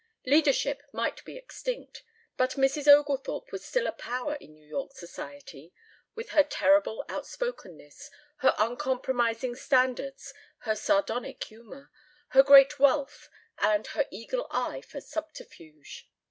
Leadership might be extinct, but Mrs. Oglethorpe was still a power in New York Society, with her terrible outspokenness, her uncompromising standards, her sardonic humor, her great wealth, and her eagle eye for subterfuge.